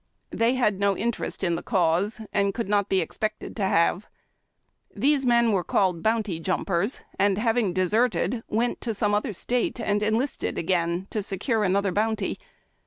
They had no interest in the cause, and could not be expected to have. These men were called bounty jumpers, and, having deserted, went to some other State and enlisted again, to secure another bounty.